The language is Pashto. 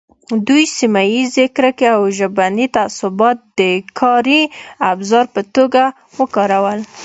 دوی سیمه ییزې کرکې او ژبني تعصبات د کاري ابزار په توګه وکارول.